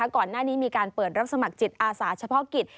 ก่อนหน้านี้มีการเปิดรับสมัครจิตอาสาเฉพาะกิจ